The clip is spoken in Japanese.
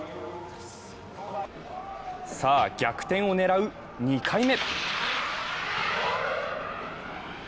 さぁ、逆転を狙う２回目。